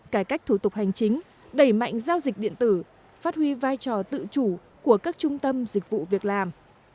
cải cách thủ tục hành chính đẩy mạnh giao dịch điện tử phát huy vai trò tự chủ của các trung tâm dịch vụ việc làm